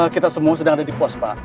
kita semua sedang ada di pos pak